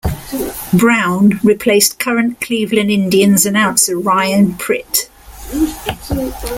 Brown replaced current Cleveland Indians announcer Ryan Pritt.